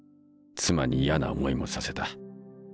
妻に嫌な思いもさせた。